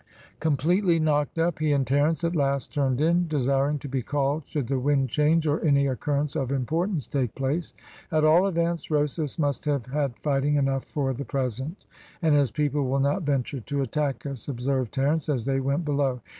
Completely knocked up, he and Terence at last turned in, desiring to be called should the wind change, or any occurrence of importance take place. "At all events, Rosas must have had fighting enough for the present, and his people will not venture to attack us," observed Terence, as they went below.